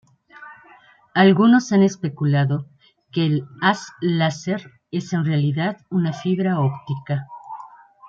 Algunos han especulado que el haz láser es en realidad una fibra óptica.